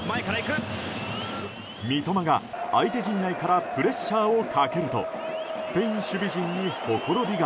三笘が相手陣内からプレッシャーをかけるとスペイン守備陣に、ほころびが。